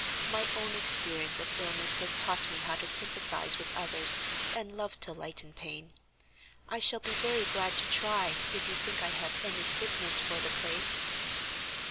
My own experience of illness has taught me how to sympathize with others and love to lighten pain. I shall be very glad to try if you think I have any fitness for the place."